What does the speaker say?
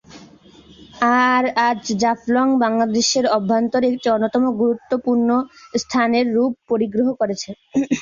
আর আজ জাফলং বাংলাদেশের অভ্যন্তরে একটি অন্যতম গুরুত্বপূর্ণ স্থানের রূপ পরিগ্রহ করেছে।